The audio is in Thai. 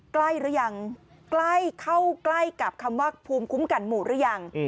หรือยังใกล้เข้าใกล้กับคำว่าภูมิคุ้มกันหมู่หรือยัง